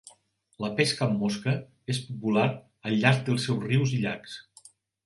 La pesca amb mosca és popular al llarg dels seus rius i llacs.